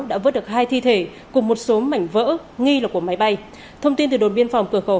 đã vớt được hai thi thể cùng một số mảnh vỡ nghi là của máy bay thông tin từ đồn biên phòng cửa khẩu